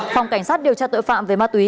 phòng cảnh sát điều tra tội phạm về ma túy